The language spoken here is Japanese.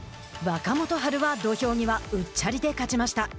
若元春は土俵際うっちゃりで勝ちました。